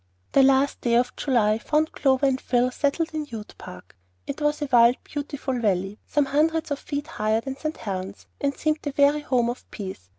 The last day of July found Clover and Phil settled in the Ute Park. It was a wild and beautiful valley, some hundreds of feet higher than St. Helen's, and seemed the very home of peace.